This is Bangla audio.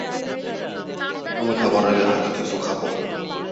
আমি খাবার আগে হালকা কিছু খাবো।